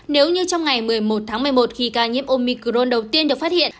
nếu như trong ngày một mươi một tháng một mươi một khi ca nhiễm omicron đầu tiên được phát hiện